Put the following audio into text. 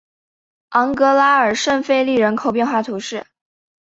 昂格拉尔圣费利人口变化图示